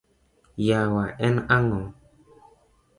Yawa en ang’o?